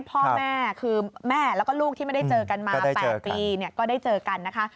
พ่อแม่คือแม่แล้วก็ลูกที่ไม่ได้เจอกันมา๘ปีก็ได้เจอกันนะคะ